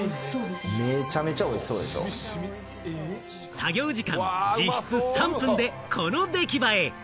作業時間、実質３分でこの出来栄え！